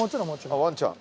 ああワンちゃん。